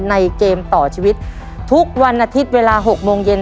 เกมต่อชีวิตทุกวันอาทิตย์เวลา๖โมงเย็น